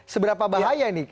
seberapa bahaya ini